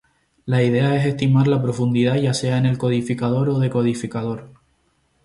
La idea es estimar la profundidad, ya sea en el codificador o decodificador.